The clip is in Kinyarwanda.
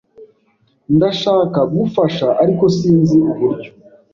Ndashaka gufasha, ariko sinzi uburyo.